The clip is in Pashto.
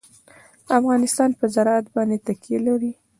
افغانستان په زراعت باندې تکیه لري.